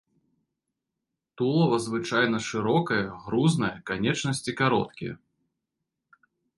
Тулава звычайна шырокае, грузнае, канечнасці кароткія.